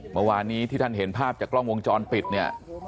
เมื่อวานนี้ที่ท่านเห็นภาพจากกล้องวงจรปิดเนี่ย